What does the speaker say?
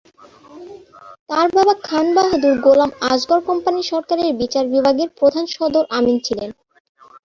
তার বাবা খান বাহাদুর গোলাম আসগর কোম্পানি সরকারের বিচার বিভাগের প্রধান সদর আমিন ছিলেন।